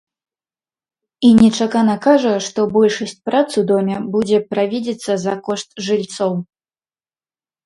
І нечакана кажа, што большасць прац у доме будзе правідзіцца за кошт жыльцоў.